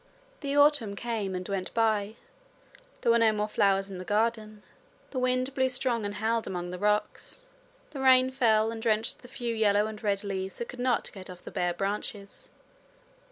The autumn came and went by. There were no more flowers in the garden. The wind blew strong, and howled among the rocks. The rain fell, and drenched the few yellow and red leaves that could not get off the bare branches.